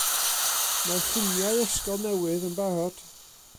Mae'r lluniau ysgol newydd yn barod.